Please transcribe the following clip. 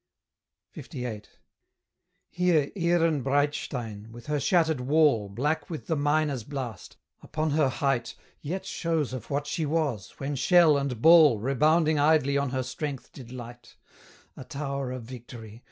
LVIII. Here Ehrenbreitstein, with her shattered wall Black with the miner's blast, upon her height Yet shows of what she was, when shell and ball Rebounding idly on her strength did light; A tower of victory!